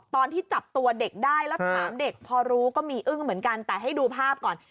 ตอนที่จับตัวเด็กได้แล้วถามเด็กพอรู้ก็มีอึ้งเหมือนกันแต่ให้ดูภาพก่อน